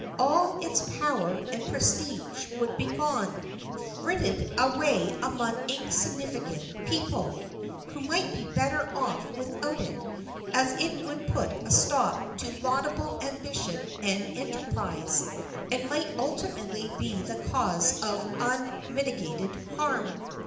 All its power and prestige would be gone, frittered away among insignificant people, who might be better off without it, as it would put a stop to laudable ambition and enterprise, and might ultimately be the cause of unmitigated harm.